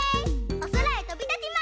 おそらへとびたちます！